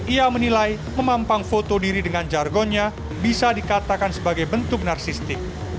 ia menilai memampang foto diri dengan jargonnya bisa dikatakan sebagai bentuk narsistik